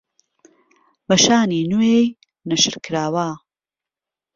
وەشانی نوێی نەشر کراوە